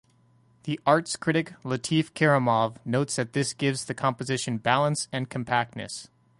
The arts critic Latif Kerimov notes that this gives the composition balance and compactness.